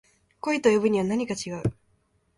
恋と呼ぶにはなにか違う